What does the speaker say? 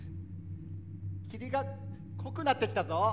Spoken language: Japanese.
霧が濃くなってきたぞ。